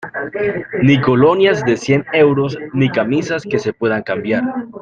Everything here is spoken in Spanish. ni colonias de cien euros ni camisas que se pueden cambiar